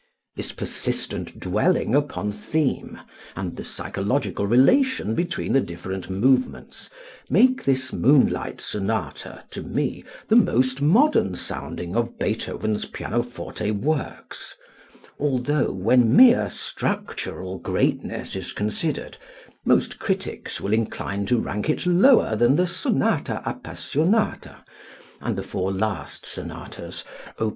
This persistent dwelling upon theme and the psychological relation between the different movements make this "Moonlight Sonata" to me the most modern sounding of Beethoven's pianoforte works, although when mere structural greatness is considered, most critics will incline to rank it lower than the "Sonata Appassionata" and the four last sonatas, Op.